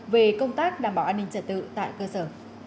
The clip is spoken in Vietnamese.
về công tác đảm bảo an ninh trật tự tại cơ sở